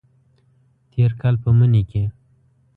تیر کال په مني کې